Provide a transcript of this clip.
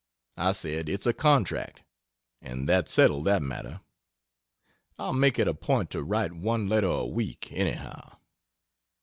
I said "It's a contract " and that settled that matter. I'll make it a point to write one letter a week, any how.